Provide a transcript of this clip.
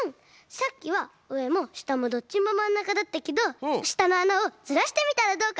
さっきはうえもしたもどっちもまんなかだったけどしたのあなをずらしてみたらどうかな？